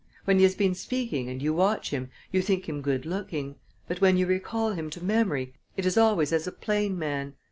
When he has been speaking and you watch him, you think him good looking; but when you recall him to memory, it is always as a plain man.